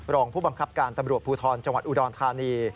รองผู้บังคับการตำรวจภูทรจังหวัดอุดรธานี